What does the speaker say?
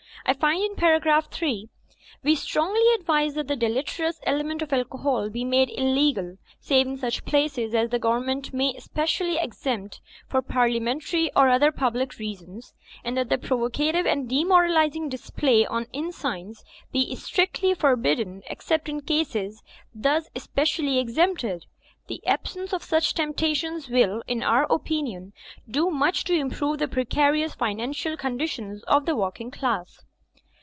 I find in paragraph three, *we strongly advise that the deleterious element of alcohol be made illegal save in such few places as the Government may specially exempt for Parliamen tary or other public reasons, and that the provocative and demoralising display on inn signs be strictly for bidden except in the cases thus specially exempted: the absence of such temptations will, in our opinion, do much to improve the precarious financial conditions of the working class.'